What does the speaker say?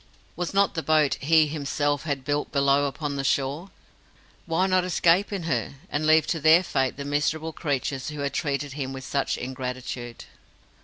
Was not the boat he himself had built below upon the shore? Why not escape in her, and leave to their fate the miserable creatures who had treated him with such ingratitude?